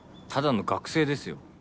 ただの学生ですよ。